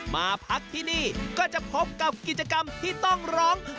มาพักที่นี่ก็จะพบกับกิจกรรมที่ต้องร้อง